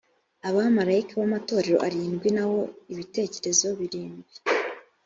abamarayika b’amatorero arindwi naho ibitereko birindwi